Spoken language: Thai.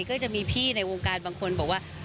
ก็จะมีพี่ในวงการบางคนบอกว่า